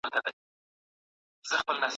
د علم په رڼا کي ژوند وکړئ.